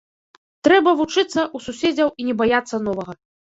Трэба вучыцца ў суседзяў і не баяцца новага.